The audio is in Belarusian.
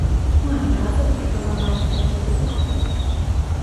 Мы адразу прапанавалі такі падыход.